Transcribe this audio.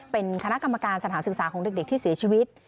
เป็นคณะกรรมการสถานศึกษาของเด็กที่เสียชีวิต